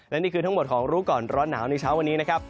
และนี่คือทั้งหมดของรู้ก่อนร้อนหนาวในเช้าวันนี้นะครับ